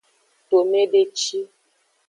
Tomedeci.